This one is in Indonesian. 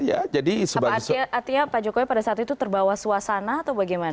artinya pak jokowi pada saat itu terbawa suasana atau bagaimana